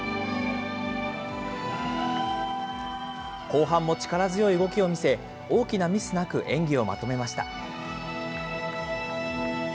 後半も力強い動きを見せ、大きなミスなく演技をまとめました。